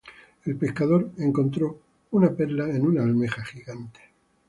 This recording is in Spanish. El pescador encontró una perla en una almeja gigante.